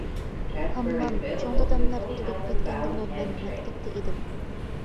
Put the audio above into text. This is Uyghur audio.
ھاممام، چوڭ داداملار تۈگەپ كەتكەندىمۇ مەن مەكتەپتە ئىدىم.